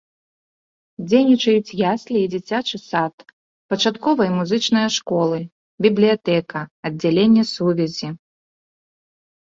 Дзейнічаюць яслі і дзіцячы сад, пачатковая і музычная школы, бібліятэка, аддзяленне сувязі.